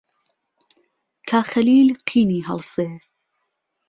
کا خهلیل قینی ههڵسێ